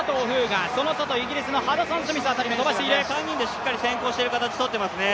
３人でしっかり先行してるペース取ってますね。